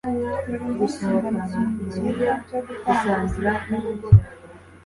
buri munsi mbona ikintu cyiza cyo gukora mu buzima bwanjye